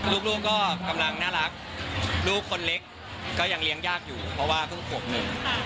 ลูกลูกก็กำลังน่ารักลูกคนเล็กก็ยังเลี้ยงยากอยู่เพราะว่าเพิ่งขวบหนึ่ง